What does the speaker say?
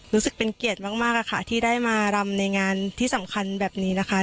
รู้สึกเป็นเกียรติมากค่ะที่ได้มารำในงานที่สำคัญแบบนี้นะคะ